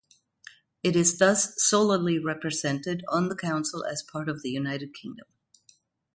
It is thus solely represented on the Council as part of the United Kingdom.